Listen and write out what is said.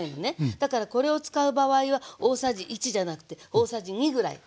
だからこれを使う場合は大さじ１じゃなくて大さじ２ぐらい使って下さい。